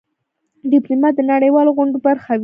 ډيپلومات د نړېوالو غونډو برخه وي.